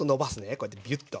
こうやってビュッと。